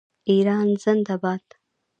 ایران زنده باد.